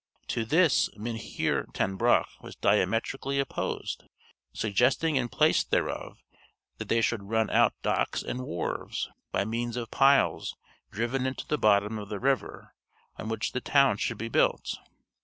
To this Mynheer Ten Broeck was diametrically opposed, suggesting in place thereof that they should run out docks and wharves, by means of piles driven into the bottom of the river, on which the town should be built.